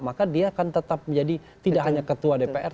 maka dia akan tetap menjadi tidak hanya ketua dpr